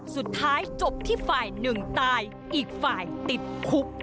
สุดท้ายจบที่ฝ่ายหนึ่งตายอีกฝ่ายติดคุก